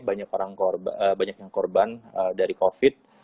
banyak orang banyak yang korban dari covid